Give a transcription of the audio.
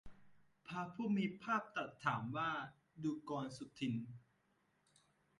พระผู้มีพระภาคตรัสถามว่า ดูกรสุทินน์